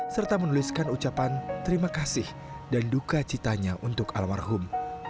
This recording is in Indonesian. serta menuliskan ucapan terima kasih dan duka citanya untuk almarhum